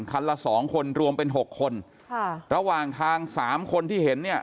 ละสองคนรวมเป็นหกคนค่ะระหว่างทางสามคนที่เห็นเนี่ย